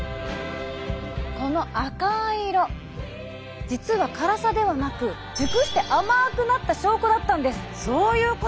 この赤い色実は辛さではなく熟して甘くなった証拠だったんです！